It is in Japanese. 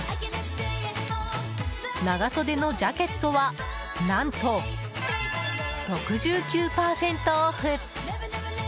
長袖のジャケットは何と６９％オフ！